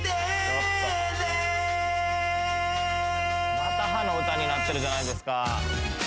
また歯の歌になってるじゃないですか。